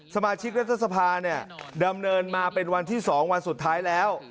สมาชิกรัฐสภาเนี่ยดำเนินมาเป็นวันที่๒วันสุดท้ายแล้ว